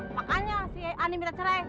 makanya si ani minta cerai